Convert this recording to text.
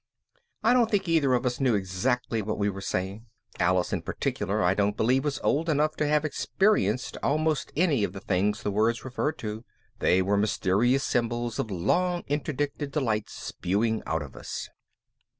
I don't think either of us knew exactly what we were saying. Alice in particular I don't believe was old enough to have experienced almost any of the things the words referred to. They were mysterious symbols of long interdicted delights spewing out of us.